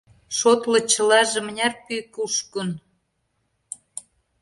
Шотло, чылаже мыняр пӱй кушкын?